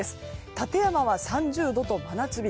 館山は３０度と真夏日。